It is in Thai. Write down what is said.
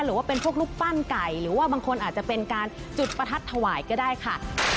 หรือว่าเป็นพวกรูปปั้นไก่หรือว่าบางคนอาจจะเป็นการจุดประทัดถวายก็ได้ค่ะ